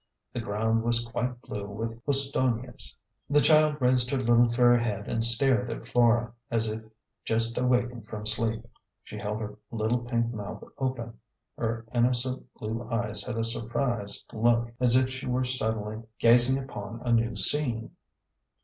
The ground was quite blue with hous tonias. The child raised her little fair head and stared at Flora, as if just awakened from sleep. She held her little pink mouth open, her innocent blue eyes had a surprised look, as if she were suddenly gazing upon a new scene.